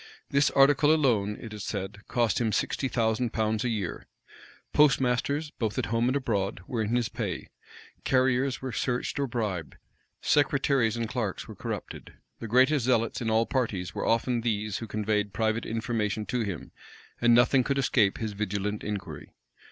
This article alone, it is said, cost him sixty thousand pounds a year. Postmasters, both at home and abroad, were in his pay: carriers were searched or bribed: secretaries and clerks were corrupted the greatest zealots in all parties were often these who conveyed private information to him: and nothing could escape his vigilant inquiry.